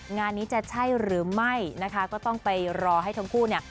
งานนี้จะใช่หรือไม่นะคะก็ต้องไปรอให้ทั้งคู่เนี่ย